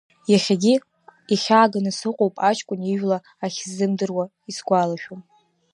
Иахьагьы ихьааганы сыҟоуп аҷкәын ижәла ахьсзымдыруа исгәалашәом.